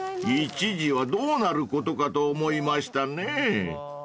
［一時はどうなることかと思いましたね］